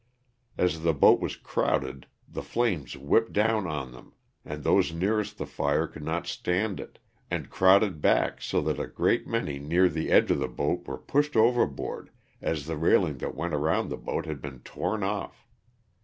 As the boat was crowded, the flames whipped down on them and those nearest the fire could not stand it and crowded back so that a great many near the edge of the boat were pushed overboard, as the railing that went around the boat had been torn off.